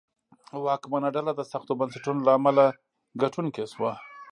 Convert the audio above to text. واکمنه ډله د سختو بنسټونو له امله ګټونکې شوه.